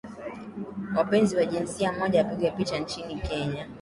wapenzi wa jinsia moja wapigwa picha nchini Kenya